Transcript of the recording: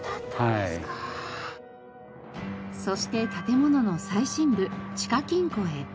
そして建物の最深部地下金庫へ。